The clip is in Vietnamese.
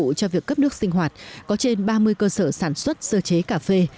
phục vụ cho việc cấp nước sinh hoạt có trên ba mươi cơ sở sản xuất sơ chế cà phê